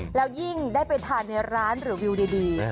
แล้วยิ่งได้ไปทานในร้านหรือวิวดี